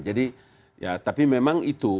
jadi ya tapi memang itu